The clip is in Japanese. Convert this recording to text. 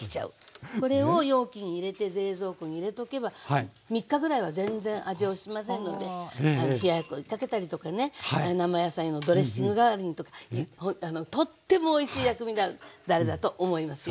これを容器に入れて冷蔵庫に入れとけば３日ぐらいは全然味落ちませんので冷ややっこにかけたりとかね生野菜のドレッシング代わりにとかとってもおいしい薬味だれだと思いますよ。